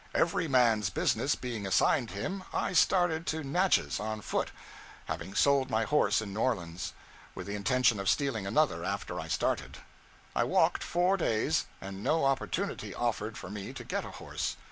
Every man's business being assigned him, I started to Natchez on foot, having sold my horse in New Orleans, with the intention of stealing another after I started. I walked four days, and no opportunity offered for me to get a horse.